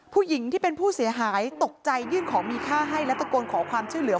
ผู้หญิงที่เป็นผู้เสียหายตกใจยื่นของมีค่าให้และตะโกนขอความช่วยเหลือ